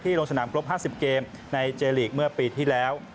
ลงสนามครบ๕๐เกมในเจลีกเมื่อปีที่แล้ว